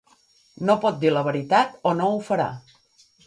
No pot dir la veritat o no ho farà.